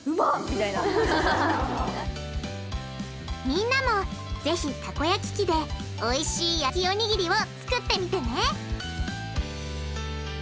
みんなもぜひたこ焼き器でおいしい焼きおにぎりを作ってみてね！